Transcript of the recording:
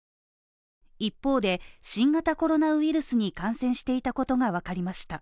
一方で、新型コロナウイルスに感染していたことがわかりました。